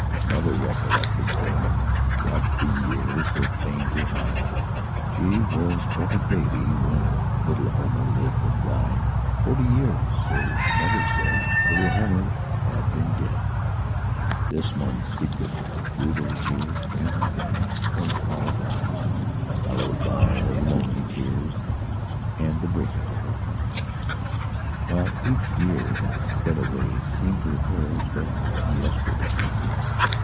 Mother recollected then What the years were fain to hide She was but a baby when Little Homer lived and died; Forty years, so mother said, Little Homer had been dead. This one secret through those years Grandma kept from all apart, Hallowed by her lonely tears And the breaking of her heart; While each year that sped away Seemed to her but yesterday.